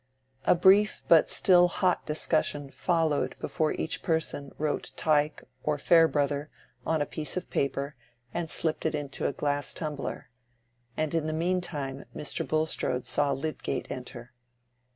A brief but still hot discussion followed before each person wrote "Tyke" or "Farebrother" on a piece of paper and slipped it into a glass tumbler; and in the mean time Mr. Bulstrode saw Lydgate enter.